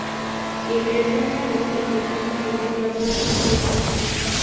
Ingresó en el segundo tiempo reemplazando a Sergio Sánchez.